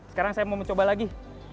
sekarang saya mau mencoba lagi